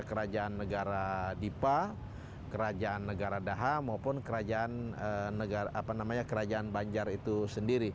kerajaan negara dipa kerajaan negara daha maupun kerajaan banjar itu sendiri